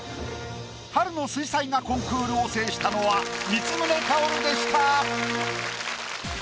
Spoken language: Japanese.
春の水彩画コンクールを制したのは光宗薫でした。